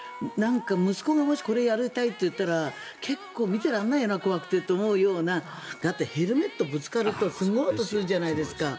息子がもしこれやりたいと言ったら結構、見てられないよな怖くてというようなだって、ヘルメットぶつかるとすごい音がするじゃないですか。